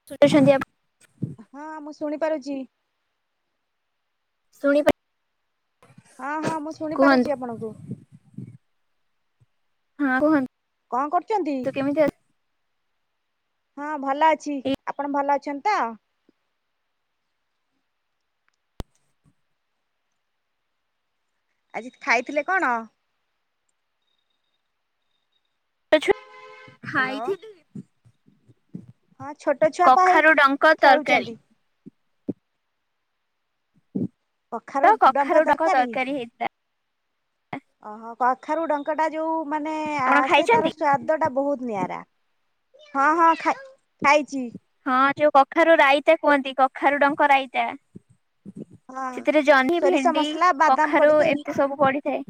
[inaudible] ହଁ ମୁଁ ଶୁଣି ପାରୁଚି। ଶୁଣିପାରୁ ହଁ ହଁ ମୁଁ କୁହନ୍ତୁ ଶୁଣିପାରୁଚି ଆପଣଙ୍କୁ ହଁ କୁହନ କଣ କରୁଛନ୍ତି? ହଁ ଭଲ ଅଛି ଆପଣ ଭଲ ଅଛନ୍ତି ତ? ଆଜି ଖାଇଥିଲେ କଣ? ହ୍ୟାଲୋ ଖାଇଥିଲି ହଁ ଛୋଟ ଛୁଆ ପା ହେଇ କଖାରୁ ଡଙ୍କ ତରକାରୀ ଖେଳୁଛନ୍ତି। ତ କଖାରୁ କଖାରୁ ଡଙ୍କ ତରକାରି। [inaudible] ଓହୋ କଖାରୁ ଡଙ୍କ ଟା ଯୋଉ ମାନେ ଆପଣ ଆସେ ଖାଇଛନ୍ତି? ତାର ସ୍ଵା ଦ ଟା ବହୁତ ନିଆରା ହଁ ହଁ ଖାଇଛି। ହଁ ଯୋଉ କଖାରୁ ରାଇତା କୁହନ୍ତି କଖାରୁ ଡଙ୍କ ରାଇତା। ହଁ ସେଥିରେ ଜହ୍ନି ସୋରିଷ ଭେଣ୍ଡି ମସଲା ବାଦାମ କଖାରୁ ପଡିକି ଏମିତି ସବୁ ପଡିଥାଏ।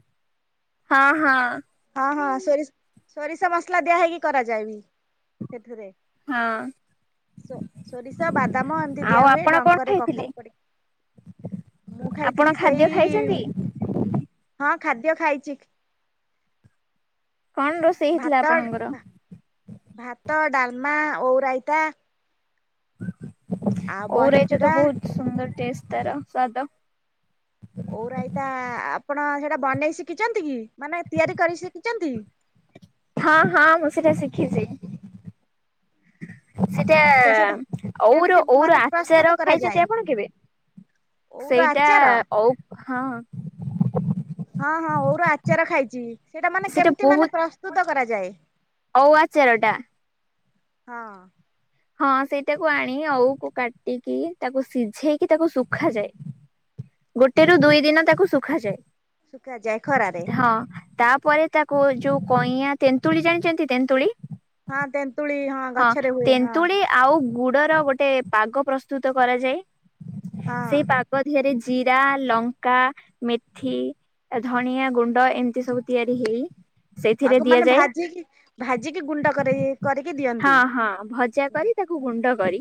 ହଁ ହଁ ହଁ ହଁ ସୋରିଷ ସୋରିଷ ମସଲା ଦିଆ ହେଇକି କରାଯାଏ ବି ସେଥିରେ। ହଁ ସୋ ସୋରିଷ ବାଦାମ ଏମିତି ଆଉ ଦିଆହୁଏ ଆପଣ କଣ ଡଙ୍କରେ ଖାଇଥିଲେ? କଖାରେ ପଡ଼ିକି। ମୁଁ ଆପଣ ଖାଇଥିଲି ସେଇ, ଖାଦ୍ୟ ଖାଇଛନ୍ତି? ହଁ ଖାଦ୍ୟ ଖାଇଛି। କଣ ରୋଷେଇ ହେଇଥିଲା ଭାତ ଆପଣଙ୍କର? ଭାତ ଡାଲମା ଓଉ ରାଇତା। ଆଉ ଓଉ ରାଇତା ବଢିଚୁରା ତ ବହୁତ ସୁନ୍ଦର ଟେଷ୍ଟ ତାର ସ୍ଵାଦ। ଓଉ ରାଇତା ଆପଣ ସେଇଟା ବନେଇ ଶିଖିଛନ୍ତି କି ମାନେ ତିଆରି କରି ଶିଖିଛନ୍ତି? ହଁ ହଁ ମୁଁ ସେଇଟା ଶିଖିଛି। ସେଟା ସେଇଟା କେମିତି ଓଉ ଓଉର ମାନେ ଆଚାର ପ୍ରସ୍ତୁତ ଖାଇଛନ୍ତି କରାଯାଏ ଆପଣ କେବେ? ଓଉର ସେଇଟା ଆଚାର ଓଉ ହଁ। ହଁ ହଁ ଓଉର ଆଚାର ଖାଇଛି। ସେଇଟା ମାନେ କେମତି ମାନେ ପ୍ରସ୍ତୁତ କରାଯାଏ? ଓଉ ଆଚାରଟା। ହଁ ହଁ ସେଇଟାକୁ ଆଣି ଓଉକୁ କାଟିକି ତାକୁ ସିଝେଇକି ତାକୁ ଶୁଖାଯାଏ। ଗୋଟେରୁୁ ଦୁଇ ଦିନ ତାକୁ ଶୁଖାଯାଏ। ସୁଖା ଯାଏ ଖରାରେ। ହଁ ତାପରେ ତାକୁ ଯୋଉ କଇଁଆଁ ତେନ୍ତୁଳି ଜାଣିଛନ୍ତି ତେନ୍ତୁଳି। ହଁ ତେନ୍ତୁଳି ହଁ। ହଁ ଗଛରେ ହୁଏ ହଁ ତେନ୍ତୁଳି ଆଉ ଗୁଡର ଗୋଟେ ପାଗ ପ୍ରସ୍ତୁତ କରାଯାଏ। ହଁ ସେଇ ପାଗ ଦିହରେ ଜିରା, ଲଙ୍କା, ମେଥି ଧଣିଆ ଗୁଣ୍ଡ ଏମିତି ସବୁ ତିଆରି ହେଇ ସେଇଥିରେ ଆକୁ ମାନେ ଦିଆଯାଏ। ଭାଜିକି ଭାଜିକି ଗୁଣ୍ଡ କରେ। ହଁ, ହଁ ଭଜା କରି ତାକୁ ଗୁଣ୍ଡ କରି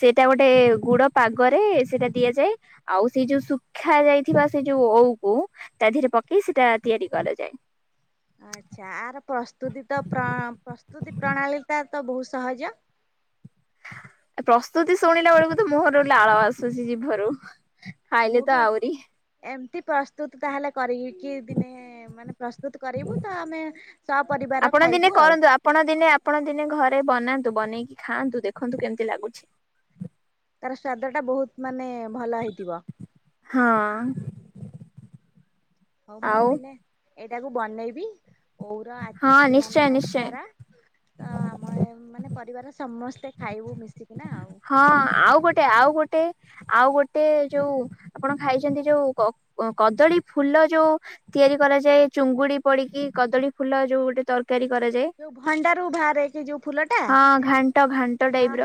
ସେଇଟା ଗୋଟେ ଗୁଡ ପାଗରେ ସେଇଟା ଦିଆଯାଏ। ଆଉ ସେଇ ଯୋଉ ଶୁଖା ଯାଇଥିବା ସେ ଯୋଉ ଓଉକୁ ତା ଦେହରେ ପକେଇ ସେଇଟା ତିଆରି କରାଯାଏ। ଆଚ୍ଛା, ଆର ପ୍ରସ୍ତୁତି ତ ପ୍ରଣ-ପ୍ରସ୍ତୁତି ପ୍ରଣାଳୀଟା ତ ବହୁତ ସହଜ। ପ୍ରସ୍ତୁତି ଶୁଣିଲା ବେଳକୁ ତ ମୁହଁରୁ ଲାଳ ଆସୁଛି ଜିଭରୁ। ଖାଇଲେ ମୁଁ ତ ବି ଆହୁରି। ଏମତି ପ୍ରସ୍ତୁତ ତାହେଲେ କରିକି ଦିନେ-ଏ ମାନେ ପ୍ରସ୍ତୁତ କରିବୁ ତ, ଆମେ ସ ପରିବାର ଆପଣ ଦିନେ ଖାଇବୁ ଆଉ। କରନ୍ତୁ ଆପଣ ଦିନେ ଆପଣ ଦିନେ ଘରେ ବନାନ୍ତୁ। ବନେଇକି ଖାଆନ୍ତୁ ଦେଖନ୍ତୁ କେମିତି ଲାଗୁଛି? ତାର ସ୍ଵାଦ ଟା ବହୁତ ମାନେ ଭଲ ହେଇଥିବ। ହଁ। ହଉ, ମୁଁ ଆଉ ଦିନେ ଏଇଟାକୁ ବନେଇବି। ଓଉର ଆ ହଁ ନିଶ୍ଚୟ ମାନେ, ନିଶ୍ଚୟ। ଆଚାରା ତ ଆମ ଏ ମାନେ ପରିବାର ସମସ୍ତେ ଖାଇବୁ ମିଶିକିନା ଆଉ। ହଁ, ଆଉ ଗୋଟେ, ଆଉ ଗୋଟେ, ଆଉ ଗୋଟେ ଯୋଉ ଆପଣ ଖାଇଛନ୍ତି ଯୋଉ କ-କଦଳୀ ଫୁଲ ଯୋଉ ତିଆରି କରାଯାଏ ଚୁଙ୍ଗୁଡି ପଡିକି କଦଳୀ ଫୁଲ ଯୋଉ ଗୋଟେ ତର କାରୀ କରାଯାଏ। ଯୋଉ ଭଣ୍ଡାରୁ ବାହାରେ କି ଯୋଉ ଫୁଲ ଟା, ହଁ ଘାଣ୍ଟ ଘାଣ୍ଟ ହଁ। ଟାଇପ ର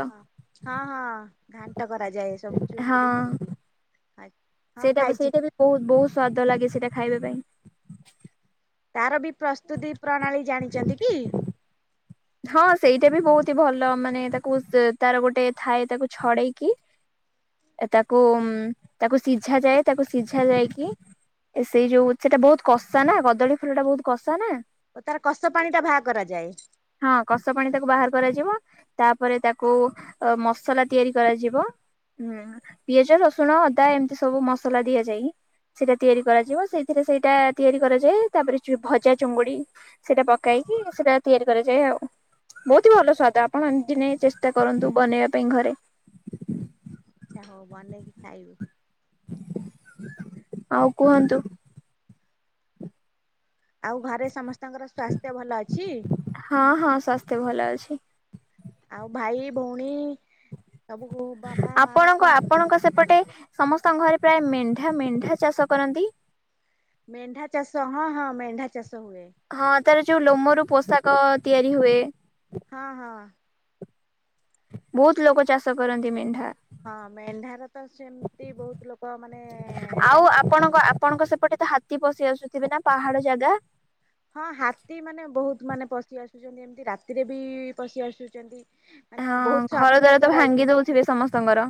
ହଁ, ହଁ ଘାଣ୍ଟ କରାଯାଏ, ସବୁ ହଁ ଚୁଙ୍ଗୁଡି ପଡିକି। [unintelligible] ସେଇଟା ସେଇଟା ବି ବହୁତ୍ ବହୁତ୍ ସ୍ଵାଦ ଲାଗେ ସେଇଟା ଖାଇବା ପାଇଁ। ତାର ବି ପ୍ରସ୍ତୁତି ପ୍ରଣାଳୀ ଜାଣିଚନ୍ତି କି? ହଁ, ସେଇଟା ବି ବହୁତ ହି ଭଲ ମାନେ ତାକୁ ସେ ତାର ଗୋଟେ ଥାଏ, ତାକୁ ଛଡେଇକି ଏ ତାକୁମ୍ ତାକୁ ସିଝା ଯାଏ, ତାକୁ ସିଝା ଯାଇକି ଏ ସେଇ ଯୋଉ ସେଟା ବହୁତ କଷା ନା, କଦଳୀ ଫୁଲ ଟା ବହୁତ କଷା ନା। ଓ ତାର କଷ ପାଣି ଟା ବାହା କରାଯାଏ। ହଁ, କଷ ପାଣି ତାକୁ ବାହାର କରାଯିବ। ତା'ପରେ ତାକୁ ମସଲା ତିଆରି କରାଯିବ। ହୁଁ, ପିଆଜ ରସୁଣ ଅଦା, ଏମିତି ସବୁ ମସଲା ଦିଆଯାଇଁ ସେଇଟା ତିଆରି କରାଯିବ। ସେଇଥିରେ ସେଇଟା ତିଆରି କରାଯାଏ। ତା'ପରେ ଚୁ ଭଜା ଚୁଙ୍ଗୁଡି ସେଇଟା ପକାଇକି ସେଇଟା ତିଆରି କରି ଯାଏ ଆଉ। ବହୁତ ହି ଭଲ ସ୍ଵାଦ, ଆପଣ ଏମଜି ନେଇ ଚେଷ୍ଟା କରନ୍ତୁ ବନେଇବା ପାଇଁ ଘରେ। ଆଛା୍ ହଉ ବନେଇକି ଖାଇବି। ଆଉ କୁହନ୍ତୁ? ଆଉ ଘରେ ସମସ୍ତଙ୍କର ସ୍ୱାସ୍ଥ୍ୟ ଭଲ ଅଛି? ହଁ, ହଁ ସ୍ୱାସ୍ଥ୍ୟ ଭଲ ଅଛି। ଆଉ ଭାଇ ଭଉଣୀ ସବୁ, କୁ ବାପା ମା କଣ କରୁଚ ଏପଟେ ସମସ୍ତଙ୍କ ଘରେ ପ୍ରାୟ ମେଣ୍ଢା ମେଣ୍ଢା ଚାଷ କରନ୍ତି। ମେଣ୍ଢା ଚାଷ ହଁ, ହଁ ମେଣ୍ଢା ଚାଷ ହୁଏ। ହଁ, ତାର ଯୋଉ ଲୋମରୁ ପୋଷାକ ତିଆରି ହୁଏ। ହଁ, ହଁ। ବହୁତ୍ ଲୋକ ଚାଷ କରନ୍ତି ମେଣ୍ଢା। ହଁ ମେଣ୍ଢାର ତ ସେମିତି ବହୁତ ଲୋକ ମାନେ ଆଉ ଚାଷ ଆପଣଙ୍କ ଆପଣଙ୍କ ସେପଟେ ତ ହାତୀ ପଶି ଆସୁଥିବେ ନା ପାହାଡ ଜାଗା? ହଁ, ହାତୀ ମାନେ ବହୁତ ମାନେ ପଶି ଆସୁଛନ୍ତି ଏମିତି, ରାତିରେ ବି ପଶି ଆସୁଛନ୍ତି। ମାନେ ହଁ ବହୁତ ଘର ଦ୍ୱାର ତ ସତର୍କ ଭାଙ୍ଗି ରହିକି, ଦଉଥିବେ ସମସ୍ତଙ୍କର।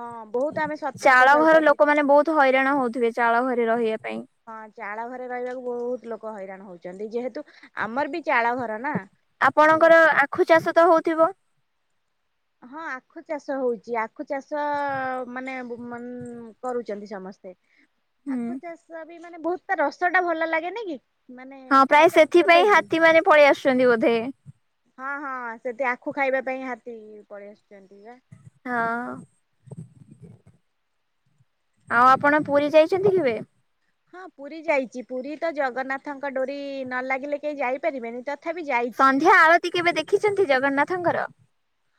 ହଁ ବହୁତ ଆମେ ଚାଳ ସତର୍କ ଘର ସହିତ ଏଠି ଲୋକମାନେ ବହୁତ ହଇରାଣ ହଉଥିବେ ଚାଳ ଘରେ ରହିଆ ପାଇଁ। ହଁ ଚାଳ ଘରେ ରହିବାକୁ ବହୁତ ଲୋକ ହଇରାଣ ହଉଛନ୍ତି, ଯେହେତୁ ଆମର ବି ଚାଳ ଘର ନା। ଆମେ ଆପଣଙ୍କର ଆଖୁ ଚାଷ ତ ହଉଥିବ? ହଁ ଆଖୁ ଚାଷ ହଉଛି, ଆଖୁ ଚାଷ ମାନେ କରୁଛନ୍ତି ସମସ୍ତେ। ହୁଁ ଆଖୁ ଚାଷ ବି ମାନେ ବହୁତ ତା ରସ ଟା ଭଲ ଲାଗେନି କି? ମାନେ ହଁ ପ୍ରାୟ ଖାଇବାକୁ କେବେ ସେଥିପାଇଁ କି ହାତୀ ମାନେ ପଳେଇ ଆସୁଛନ୍ତି ବୋଧେ। ହଁ ହଁ ସେଠି ଆଖୁ ଖାଇବା ପାଇଁ ହାତୀ ପଳେଇ ଆସୁଛନ୍ତି ବା। ହଁ। ଆଉ ଆପଣ ପୁରୀ ଯାଇଛନ୍ତି କେବେ? ହଁ ପୁରୀ ଯାଇଛି ପୁରୀ ତ ଜଗନ୍ନାଥଙ୍କ ଡୋରି ନ ଲାଗିଲେ କେହି ଯାଇପାରିବେନି ତ। ସନ୍ଧ୍ୟା ଆଳତି କେବେ ଦେଖିଛନ୍ତି ଜଗନ୍ନାଥଙ୍କର?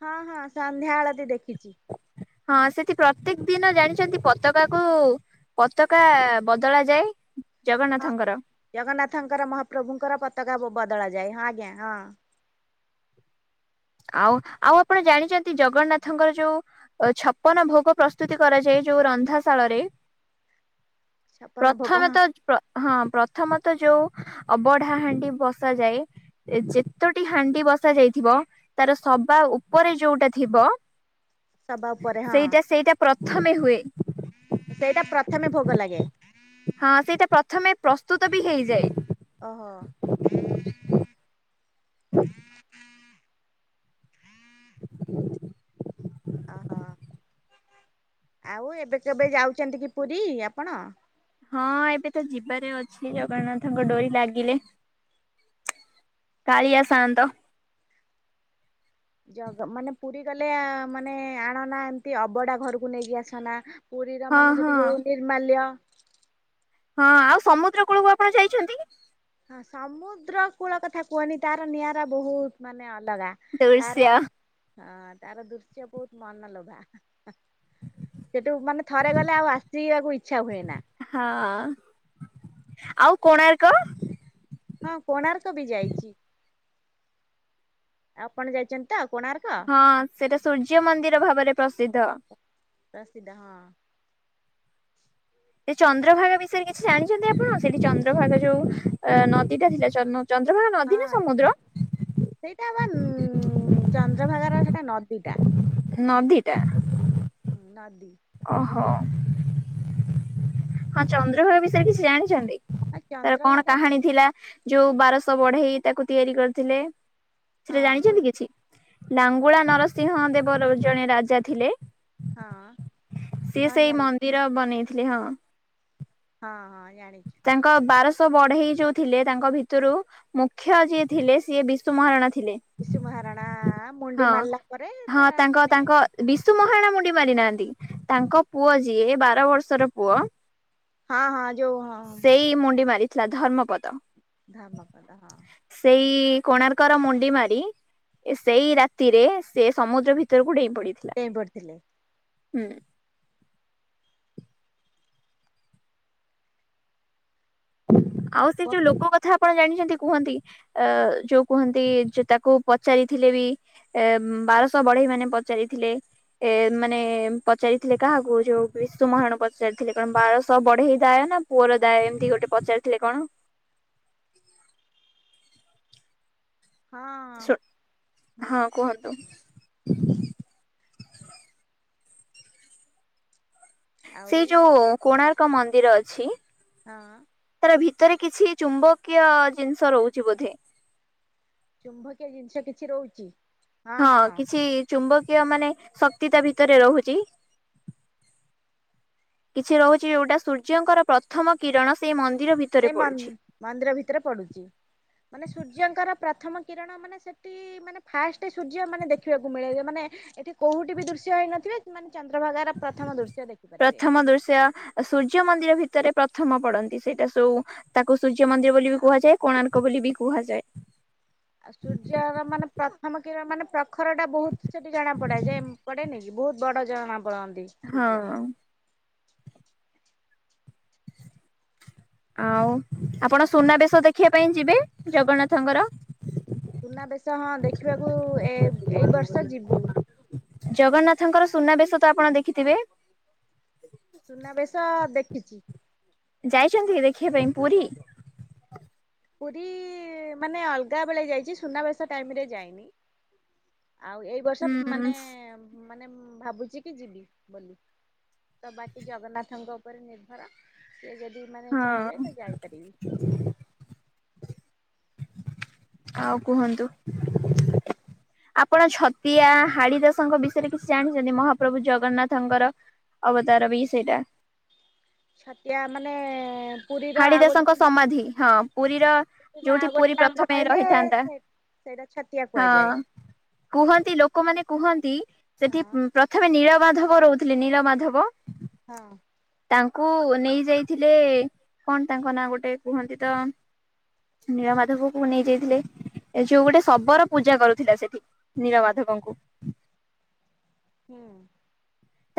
ହଁ ହଁ ସନ୍ଧ୍ୟା ଆଳତି ଦେଖିଛି। ହଁ ସେଠି ପ୍ରତ୍ୟେକ ଦିନ ଜାଣିଛନ୍ତି ପତାକା କୁ? ପତାକା ବଦଳା ଯାଏ ହଁ। ଜଗନ୍ନାଥଙ୍କର। ଜଗନ୍ନାଥଙ୍କର ମହାପ୍ରଭୁଙ୍କର ପତାକା ବଦଳା ଯାଏ ହଁ ଆଜ୍ଞା ହଁ। ଆଉ ଆଉ ଆପଣ ଜାଣିଛନ୍ତି ଜଗନ୍ନାଥଙ୍କର ଯୋଉ ଅ ଛପନ ଭୋଗ ପ୍ରସ୍ତୁତି କରାଯାଏ ଯୋଉ ରନ୍ଧାଶାଳରେ? ଛପନ ଭୋଗ ପ୍ରଥମେ ହଁ ତ ହଁ ପ୍ରଥମ ତ ଯୋଉ ଅବଢା ହାଣ୍ଡି ବସାାଯାଏ ସେ ଯେତୋଟି ହାଣ୍ଡି ବସା ଯାଇଥିବ ତାର ସବା ଉପରେ ଯୋଉଟା ଥିବ ସବା ଉପରେ ହଁ ସେଇଟା ସେଇଟା ପ୍ରଥମେ ହୁଏ। ସେଇଟା ପ୍ରଥମେ ଭୋଗ ଲାଗେ। ହଁ ସେଇଟା ପ୍ରଥମେ ପ୍ରସ୍ତୁତ ବି ହେଇଯାଏ। ଓହୋ। ଓହୋ ଆଉ ଏବେ ଯେବେ ଯାଉଛନ୍ତି କି ପୁରୀ ଆପଣ? ହଁ ଏବେ ତ ଯିବାରେ ଅଛି ଜଗନ୍ନାଥଙ୍କ ଡୋରି ଲାଗିଲେ। କାଳିଆ ସାଅନ୍ତ। ଜଗ ମାନେ ପୁରୀ ଗଲେ ମାନେ ଆଣନା ଏମତି ଅବଢା ଘରକୁ ନେଇକି ଆସନା? ପୁରୀର ହଁ ମାନେ ହଁ ସେଠି ଯୋଉ ନିର୍ମାଲ୍ୟ ହଁ ଆଉ ସମୁଦ୍ର କୂଳକୁ ଆପଣ ଯାଇଛନ୍ତି କି? ହଁ ସମୁଦ୍ର କୂଳ କଥା କୁହନି ତାର ନିଆରା ବହୁତ ମାନେ ଅଲଗା। ତାର ଦୃଶ୍ୟ ଅଁ ତାର ଦୃଶ୍ୟ ବହୁତ ମନଲୋଭା। ସେଠୁ ମାନେ ଥରେ ଗଲେ ଆଉ ଆସିବାକୁ ଇଚ୍ଛା ହୁଏ ନା। ହଁ ଆଉ କୋଣାର୍କ? ହଁ କୋଣାର୍କ ବି ଯାଇଛି। ଆପଣ ଯାଇଛନ୍ତି ତ କୋଣାର୍କ? ହଁ ସେଇଟା ସୂର୍ଯ୍ୟ ମନ୍ଦିର ଭାବରେ ପ୍ରସିଦ୍ଧ। ପ୍ରସିଦ୍ଧ ହଁ। ସେ ଚନ୍ଦ୍ରଭାଗ ବିଷୟରେ କିଛି ଜାଣିଛନ୍ତି ଆପଣ ସିଠି ଚନ୍ଦ୍ରଭାଗା ଯୋଉ ଅ ନଦୀ ଟା ସେଇଟା ଜନ୍ମ ଚନ୍ଦ୍ରଭାଗା ନଦୀ ନା ହଁ ସମୁଦ୍ର? ସେଇଟା ବା ଉ ଚନ୍ଦ୍ରଭାଗାର ସେଟା ନଦୀ ଟା। ନଦୀ ଟା। ନଦୀ। ଓହୋ ହଁ ଚନ୍ଦ୍ରଭାଗା ବିଷୟରେ କିଛି ଜାଣିଛନ୍ତି? ଆଉ ତାର କଣ ଚନ୍ଦ୍ରଭାଗା କାହାଣୀ ଥିଲା? ଯୋଉ ବାରଶହ ବଢେଇ ତାକୁ ତିଆରି କରିଥିଲେ। ହଁ ସେଟା ମୁଁ ଜାଣିଛନ୍ତି କିଛି? ନାଙ୍ଗୁଳା ନରସିଂହ ଦେବ ର ଜଣେ ରାଜା ଥିଲେ। ହଁ। ସିଏ ହଁ ସେଇ ଜାଣିଛି ମନ୍ଦିର ବନେଇଥିଲେ। ହଁ। ହଁ ହଁ ଜାଣିଛି। ତାଙ୍କ ବାରଶହ ବଢେଇ ଯୋଉ ଥିଲେ ତାଙ୍କ ଭିତରୁ ମୁଖ୍ୟ ଯିଏ ଥିଲେ ସିଏ ବିଶୁ ମହାରଣା ଥିଲେ। ବିଶୁ ମହାରଣା ମୁଣ୍ଡି ହଁ ମାରିଲା ପରେ ହଁ ତା ତାଙ୍କ [unintelligible] ତାଙ୍କ ବିଶୁ ମହାରଣା ମୁଣ୍ଡି ମାରି ନାହାନ୍ତି। ତାଙ୍କ ପୁଅ ଯିଏ ବାର ବର୍ଷର ପୁଅ ହଁ ହଁ ଯୋଉ ହଁ। ସେଇ ମୁଣ୍ଡି ମାରିଥିଲା ଧର୍ମପଦ। ଧର୍ମପଦ ହଁ। ସେଇ କୋଣାର୍କର ମୁଣ୍ଡି ମାରି ସେଇ ରାତିରେ ସେ ସମୁଦ୍ର ଭିତରକୁ ଡେଇଁ ପଡିଥି ଡେଇଁ ପଡ଼ିଥିଲେ। ହୁଁ। ଆଉ ସେ ହଁ ଯୋଉ ଲୋକ କଥା। ଆପଣ ଜାଣିଛନ୍ତି କୁହନ୍ତି ଅ ଯୋଉ କୁହନ୍ତି ଯେ ତାକୁ ପଚାରିଥିଲେ ବି ଏ ବାରଶହ ବଢେଇ ମାନେ ପଚାରିଥିଲେ ଏ ମାନେ ପଚାରିଥିଲେ କାହାକୁ ଯୋଉ ବିଶୁ ମହାରଣା ପଚାରିଥିଲେ କଣ ବାରଶହ ବଢେଇ ଦାୟ ନା ପୁଅର ଦାୟ। ଏମିତି ଗୋଟେ ପଚାରିଥିଲେ କଣ? ହଁ ହୁଁ ହଁ କୁହନ୍ତୁ। ଆଉ ସେଇ ଯୋଉ କୋଣାର୍କ ମନ୍ଦିର ଅଛି। ହଁ। ତାର ଭିତରେ କିଛି ଚୁମ୍ବକୀୟ ଜିନିଷ ରହୁଛି ବୋଧେ। ଚୁମ୍ବକୀୟ ଜିନିଷ କିଛି ରହୁଚି। ହଁ କିଛି ଚୁମ୍ବକୀୟ ମାନେ ଶକ୍ତି ତା ଭିତରେ ରହୁଚି। କିଛି ରହୁଛି। ଯୋଉଟା ସୂର୍ଯ୍ୟଙ୍କର ପ୍ରଥମ କିରଣ ସେଇ ମନ୍ଦିର ଭିତରେ ସେଇ ପଡୁଛି ମନ୍-ମନ୍ଦିର ଭିତରେ ପଡ଼ୁଛି ମାନେ ସୂର୍ଯ୍ୟଙ୍କର ପ୍ରଥମ କିରଣ ମାନେ ସେଠି ମାନେ ଫାଷ୍ଟ ସୂର୍ଯ୍ୟ ମାନେ ଦେଖିବାକୁ ମିଳେ ମାନେ ଏଠି। କୋଉଠି ବି ଦୃଶ୍ୟ ହେଇନଥିବେ ମାନେ ଚନ୍ଦ୍ରଭାଗାର ପ୍ରଥମ ଦୃଶ୍ୟ ଦେଖିପାରିବେ। ପ୍ରଥମ ଦୃଶ୍ୟ ସୂର୍ଯ୍ୟ ମନ୍ଦିର ଭିତରେ ପ୍ରଥମ ପଡନ୍ତି। ସେଇଟା ସବୁ ତାକୁ ସୂର୍ଯ୍ୟ ମନ୍ଦିର ବୋଲି ବି କୁହାଯାଏ। କୋଣାର୍କ ବୋଲି ବି କୁହାଯାଏ। ଆଉ ସୂର୍ଯ୍ୟର ମାନେ ପ୍ରଥମ କିରଣ ମାନେ ପ୍ରଖରଟା ବହୁତ ସେଠି ଜଣା ପଡେ ଯେ ପଡେନି। ବହୁତ ବଡ ଜଣା ପଡନ୍ତି। ସୂର୍ଯ୍ୟ। ହଁ। [inaudible] ଆଉ ଆପଣ ସୁନାବେଶ ଦେଖିବା ପାଇଁ ଯିବେ ଜଗନ୍ନାଥଙ୍କର। ସୁନାବେଶ ହଁ ଦେଖିବାକୁ ଏ ଏଇ ବର୍ଷ ଯିବୁ। ଜଗନ୍ନାଥଙ୍କର ସୁନାବେଶ ତ ଆପଣ ଦେଖିଥିବେ। ସୁନାବେଶ ଦେଖିଛି। ଯାଇଛନ୍ତି କି ଦେଖିବା ପାଇଁ ପୁରୀ? ପୁରୀ ମାନେ ଅଲଗା ବେଳେ ଯାଇଛି ସୁନାବେଶ ଟାଇମରେ ଯାଇନି। ଆଉ ଏଇ ବର୍ଷ ମାନେ ଉଁ ମାନେ ଭାବୁଛି କି ଯିବି ବୋଲି। ତ ବାକି ଜଗନ୍ନାଥଙ୍କ ଉପରେ ନିର୍ଭର ସିଏ ଯଦି ମାନେ ହଁ ଚାହିଁବେ ତ ଯାଇପାରିବି। ଆଉ କୁହନ୍ତୁ। ଆପଣ ଛତିଆ ହାଡିଦାସଙ୍କ ବିଷୟରେ କିଛି ଜାଣିଛନ୍ତି? ମହାପ୍ରଭୁ ଜଗନ୍ନାଥଙ୍କର ଅବତାର ବି ସେଇଟା। ଛତିଆ ମାନେ ପୁରୀର ଆଉ ହାଡିଦାସ ଗୋଟେ ଙ୍କ ସମାଧି, ହଁ ପୁରୀର ପୁରୀର ଯୋଉଠି ଆଉ ଗୋଟେ ପୁରୀ ନାମ ପ୍ରଥମେ କହିଲେ ରହିଥାନ୍ତା ସେ ସେଇଟା ଛତିଆ ହଁ। କୁହାଯାଏ। କୁହନ୍ତି ଲୋକମାନେ କୁହନ୍ତି ସେଠି ହଁ ପ୍ରଥମେ ନୀଳମାଧବ ରହୁଥିଲେ ନୀଳ ମାଧବ। ହଁ। ତାଙ୍କୁ ନେଇ ଯାଇଥିଲେ କଣ ତାଙ୍କ ନାଁ ଗୋଟେ କୁହନ୍ତି ତ ନୀଳମାଧବକୁ ନେଇଯାଇଥିଲେ। ଏ ଯୋଉ ଗୋଟେ ଶବର ପୂଜା କରୁଥିଲା ସେଠି ନୀଳମାଧବଙ୍କୁ। ହୁଁ।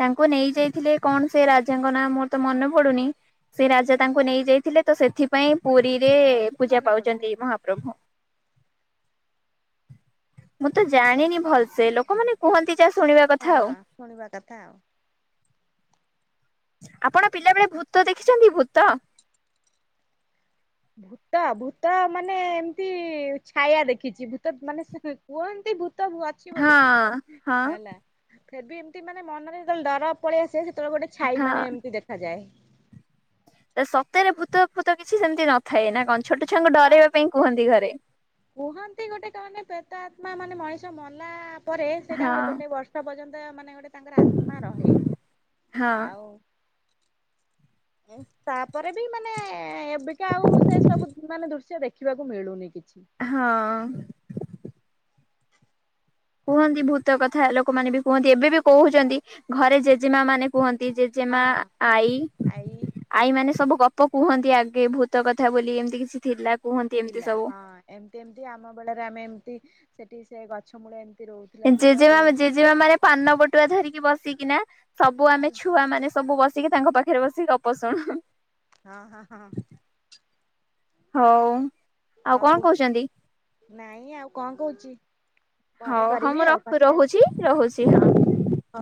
ତାଙ୍କୁ ନେଇ ଯାଇଥିଲେ କଣ ସେ ରାଜାଙ୍କ ନାଁ ମୋର ତ ମନେ ପଡୁନି ସେ ରାଜା ତାଙ୍କୁ ନେଇ ଯାଇଥିଲେ ତ ସେଥିପାଇଁ ପୁରୀରେ ମୋର ବି ପୂଜା ମନେ ପଡୁନି। ପାଉଛନ୍ତି ମହାପ୍ରଭୁ। ମୁଁ ତ ଜାଣିନି ଭଲସେ, ଲୋକମାନେ କୁହନ୍ତି ଯାହା ଶୁଣିବା କଥା ଆଉ। ହଁ ଶୁଣିବା କଥା ଆଉ। ଆପଣ ପିଲା ବେଳେ ଭୂତ ଦେଖିଛନ୍ତି ଭୂତ? ଭୂତ ଭୂତ ମାନେ ଏମତି ଛାୟା ଦେଖିଚି। ଭୂତ ସେ ମାନେ କୁହନ୍ତି ଭୂତ ଅଛି ହଁ ବୋଲିକି ହଁ ହେଲା, ଫିର୍ ବି ଏମିତି ମାନେ ମନରେ ଯେତେବେଳେ ଡର ପଳେଇଆସ ସେତେବେଳେ ଗୋଟେ ଛାଇ ମାନେ ଏମତି ଦେଖାଯାଏ। ତ ସତରେ ଭୂତ ଫୂତ କିଛି ସେମିତି ନଥାଏ ନା କଣ। ଛୋଟ ଛୁଆଙ୍କୁ ଡରେଇବା ପାଇଁ କୁହନ୍ତି ଘରେ। କୁହନ୍ତି ଗୋଟେ କ ମାନେ ପ୍ରେତ ଆତ୍ମା ମାନେ ମଣିଷ ମଲା ପରେ ସେଇଟା ଆମର ହଁ ଗୋଟେ ବର୍ ପର୍ଯ୍ୟନ୍ତ ମାନେ ଗୋଟେ ତାଙ୍କର ଆତ୍ମା ରହେ। ହଁ ଆଉ ତାପରେ ବି ମାନେ ଏବିକା ଆଉ ସେ ସବୁ ମାନେ ଦୃଶ୍ୟ ଦେ ଦେଖିବାକୁ ମିଳୁନି କିଛି। ହଁ। କୁହନ୍ତି ଭୂତ କଥା ଲୋକମାନେ ବି କୁହନ୍ତି, ଏବେ ବି କହୁଛନ୍ତି, ଘରେ ଜେଜେମା ମାନେ କୁହନ୍ତି। ହଁ ଜେଜେମା, ଆଈ ଆଈ ଆଈ ମାନେ ସବୁ ଗପ କୁହନ୍ତି ଆଗେ ଭୂତ କଥା ବୋଲି ଏମିତି କିଛି ଥିଲା। କୁହନ୍ତି ଏମିତି ଥିଲା ସବୁ। ହଁ। ଏମତି ଏମତି ଆମ ବେଳରେ ଆମେ ଏମତି ସେଠି ସେ ଗଛ ମୂଳେ ଏମତି ରହୁ ଜେଜେମା ଜେଜେମା ମାନେ ପାନ ବଟୁଆ ଧରିକି ବସିକିନା ସବୁ ଆମେ ହଁ ଛୁଆ ମାନେ ସବୁ ବ ସିକି ତାଙ୍କ ପାଖରେ ବସିକି ଗପ ଶୁଣୁ। ହଁ ହଁ ହଁ। ହଉ, ଆଉ କଣ ହଉ କହୁଛନ୍ତି? ନାଇଁ ଆଉ କଣ କହୁଚି। ହଁ ହ ମୁଁ ରଖ ରହୁଚି ରହୁଚି ହଁ।